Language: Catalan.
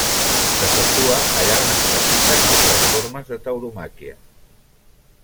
S'efectua allà on es practiquen altres formes de tauromàquia.